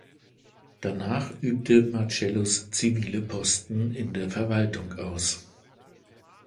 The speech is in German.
Danach übte Marcellus zivile Posten in der Verwaltung aus.